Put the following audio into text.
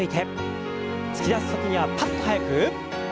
突き出す時にはパッと速く。